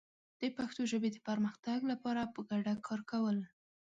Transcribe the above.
د پښتو ژبې د پرمختګ لپاره په ګډه کار کول